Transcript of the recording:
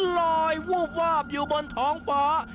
วูบวาบอยู่บนท้องฟ้า